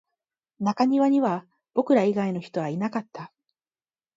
中庭には僕ら以外の人はいなかった